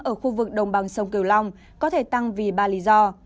ở khu vực đồng bằng sông kiều long có thể tăng vì ba lý do